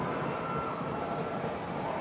สวัสดีทุกคน